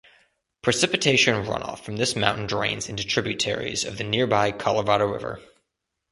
Precipitation runoff from this mountain drains into tributaries of the nearby Colorado River.